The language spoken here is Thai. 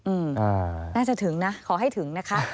น่าจะถึงนะขอให้ถึงนะคะ